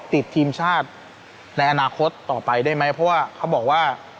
ติดทีมชาติในอนาคตต่อไปได้ไหมเพราะว่าเขาบอกว่า